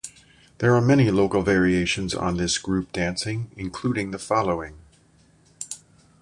There are many local variations on this group dancing, including the following.